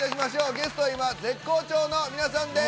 ゲストは今、絶好調の皆さんです。